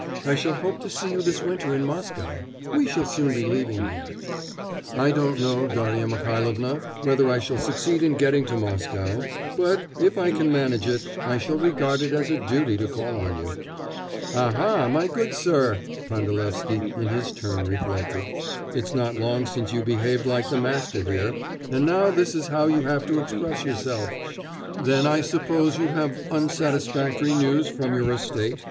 I shall hope to see you this winter in Moscow. We shall soon be leaving here.' 'I don't know, Darya Mihailovna, whether I shall succeed in getting to Moscow, but, if I can manage it, I shall regard it as a duty to call on you.' 'Aha, my good sir!' Pandalevsky in his turn reflected; 'it's not long since you behaved like the master here, and now this is how you have to express yourself!' 'Then I suppose you have unsatisfactory news from your estate?